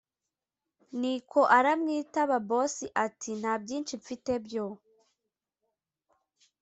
niko aramwitaba boss ati”ntabyinshi mfite byo